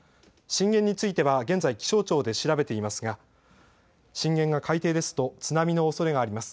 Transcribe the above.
震源については現在、気象庁で調べていますが震源が海底ですと津波のおそれがあります。